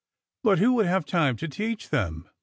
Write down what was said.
'' But who would have time to teach them ?